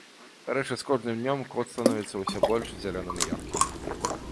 Дарэчы, з кожным днём кот становіцца ўсё больш зялёным і яркім.